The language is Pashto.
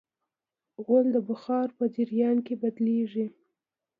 غول د بخار په جریان کې بدلېږي.